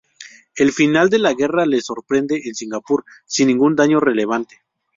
El final de la guerra le sorprende en Singapur, sin ningún daño relevante.